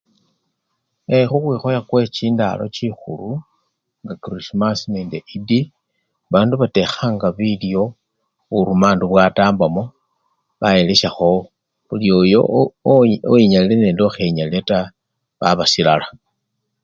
E! khukhwikhoya khwe chindalo chikhulu nga krismasi nende iddi, bandu batekhanga bilyo burumandu bwatambamo bawelesyakho nilyoyo owi! onyali nokhenyalile taa baba silala.